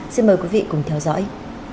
xin mời quý vị cùng theo dõi